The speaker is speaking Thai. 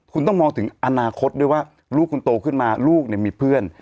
คุณต้องมองถึงอนาคตด้วยว่าลูกคุณโตขึ้นมาลูกมีเพื่อน